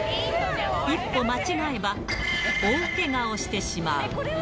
一歩間違えば、大けがをしてしまう。